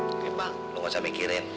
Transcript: oke bang lo nggak usah mikirin